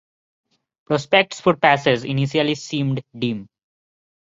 Prospects for passage initially seemed dim.